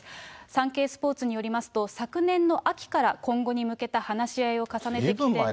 サンケイスポーツによりますと、昨年の秋から今後に向けた話し合いを重ねてきて。